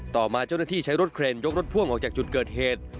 ต่อมาเจ้าหน้าที่ใช้รถเครนยกรถพ่วงออกจากจุดเกิดเหตุ